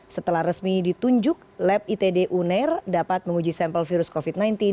setelah resmi ditunjuk lab itd uner dapat menguji sampel virus covid sembilan belas